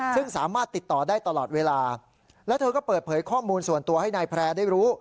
ซึ่งสามารถติดต่อได้ตลอดเวลาแล้วเธอก็เปิดเผยข้อมูลส่วนตัวให้นายแพร่ได้รู้